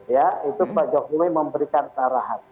ya itu pak jokowi memberikan arahan